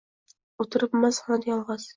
O‘ltiribmiz xonada yolg‘iz